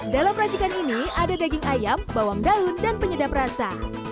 dalam racikan ini ada daging ayam bawang daun dan penyedap rasa